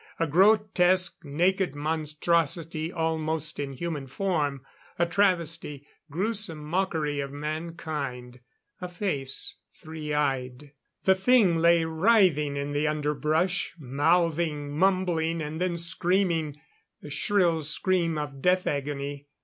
A grotesque naked monstrosity almost in human form. A travesty gruesome mockery of mankind. A face, three eyed... The thing lay writhing in the underbrush, mouthing, mumbling and then screaming the shrill scream of death agony.